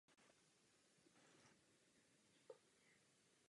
Po dva roky následně působil na soudní praxi.